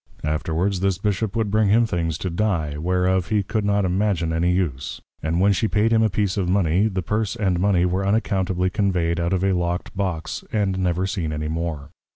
Afterwards this Bishop would bring him things to Dye, whereof he could not imagin any use; and when she paid him a piece of Mony, the Purse and Mony were unaccountably conveyed out of a lock'd Box, and never seen any more.